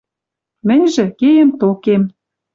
Мӹньжӹ — кеем токем.